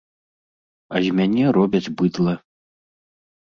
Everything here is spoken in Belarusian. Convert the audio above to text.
А з мяне робяць быдла.